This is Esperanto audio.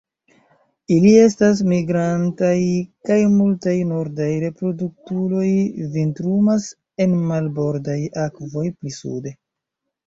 Ili estas migrantaj kaj multaj nordaj reproduktuloj vintrumas en marbordaj akvoj pli sude.